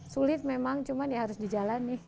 sulit memang cuma ya harus dijalani